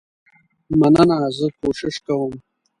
مننه زه کوشش کوم.